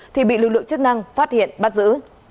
thì bị lực lượng chức năng phát hiện bắt giữ